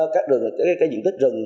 các diện tích rừng